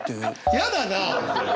やだな。